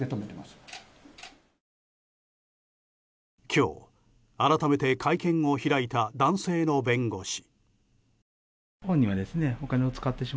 今日、改めて会見を開いた男性の弁護士。